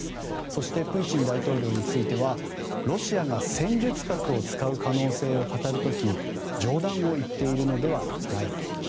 そしてプーチン大統領についてはロシアが戦術核を使う可能性を語る時冗談を言っているのではないと。